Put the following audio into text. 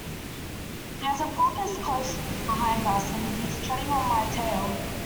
There’s a porpoise close behind us, and he’s treading on my tail.